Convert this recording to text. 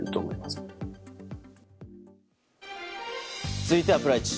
続いてはプライチ。